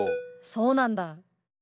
そうなんだ。